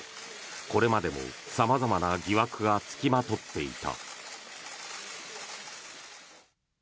これまでも様々な疑惑が付きまとっていた。